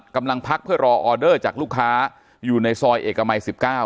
กำลังพักเพื่อรอออเดอร์จากลูกค้าอยู่ในซอยเอกมัย๑๙